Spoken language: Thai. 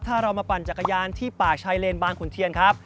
ถ้าเรามาปั่นจักรยานที่ปากชายเลนบางขุนเทียนครับ